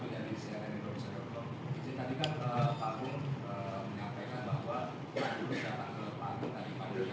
jadi tadi kan pak agung menyampaikan bahwa pak agung sudah dapat kelepahan